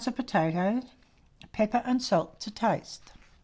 of potatoes, pepper and salt to taste.